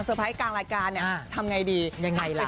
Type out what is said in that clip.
โหเวลคัมจุดทายรับ